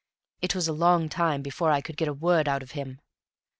It was a long time before I could get a word out of him.